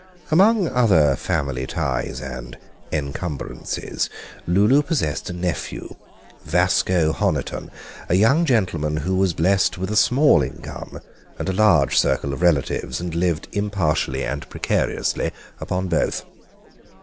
Among other family ties and encumbrances, Lulu possessed a nephew, Vasco Honiton, a young gentleman who was blessed with a small income and a large circle of relatives, and lived impartially and precariously on both.